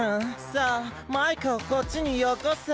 さあマイカをこっちによこせ！